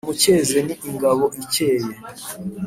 nimumucyeze ni ingabo icyeye